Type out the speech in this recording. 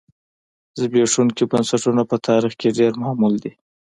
زبېښونکي بنسټونه په تاریخ کې ډېر معمول دي